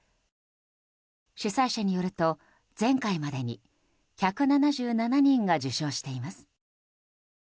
主催者によると、前回までに１７７人が受賞しています。